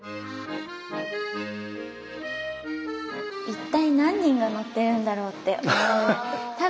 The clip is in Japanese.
一体何人が乗ってるんだろうって思って。